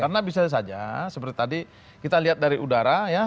karena bisa saja seperti tadi kita lihat dari udara ya